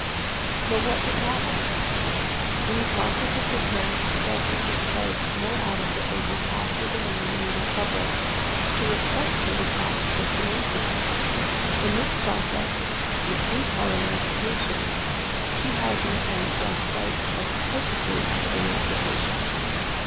But what has happened? In the process of preparing herself to discharge more adequately her task as a woman in a republic, her respect for the task has been weakened. In this process, which we call emancipation, she has in a sense lost sight of the purposes of emancipation.